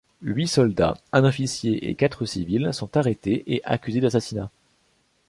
Huit soldats, un officier et quatre civils sont arrêtés et accusés d'assassinat.